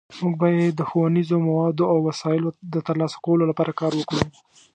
مونږ باید د ښوونیزو موادو او وسایلو د ترلاسه کولو لپاره کار وکړو